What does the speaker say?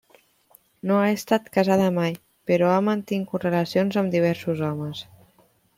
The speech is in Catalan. No ha estat casada mai, però ha mantingut relacions amb diversos homes.